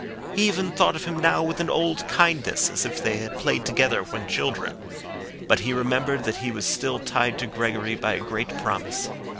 He even thought of him now with an old kindness, as if they had played together when children. But he remembered that he was still tied to Gregory by a great promise.